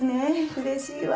うれしいわ。